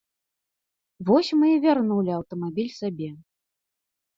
Вось мы і вярнулі аўтамабіль сабе.